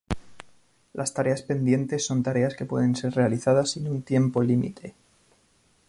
Las "tareas pendientes" son tareas que pueden ser realizadas sin un tiempo límite.